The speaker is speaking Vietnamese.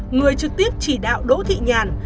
người trực tiếp chỉ đạo đỗ thị nhàn